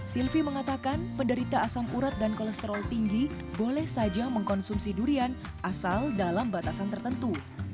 silvi mengatakan penderita asam urat dan kolesterol tinggi boleh saja mengkonsumsi durian asal dalam batasan tertentu